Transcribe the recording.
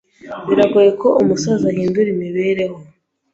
Biragoye ko umusaza ahindura imibereho.